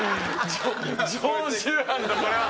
常習犯だこれは。